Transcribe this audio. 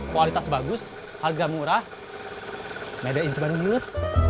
kualitas bagus harga murah mede in sebaru milut